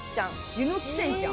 湯ノ鬼泉ちゃん。